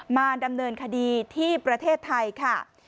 มาดำเนินคดีที่ประเทศไทยค่ะ